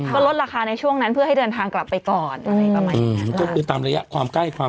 ก็ลดราคาในช่วงนั้นเพื่อให้เดินทางกลับไปก่อนอืมก็เป็นตามระยะความใกล้ความ